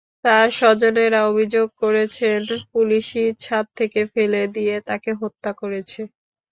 তাঁর স্বজনেরা অভিযোগ করেছেন, পুলিশই ছাদ থেকে ফেলে দিয়ে তাঁকে হত্যা করেছে।